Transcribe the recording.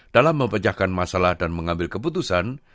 dalam mempecahkan masalah dan mengambil keputusan